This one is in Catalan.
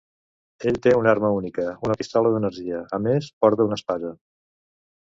Ell té una arma única, una pistola d'energia; a més, porta una espasa.